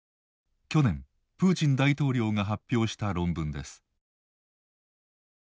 去年プーチン大統領が発表した論文です。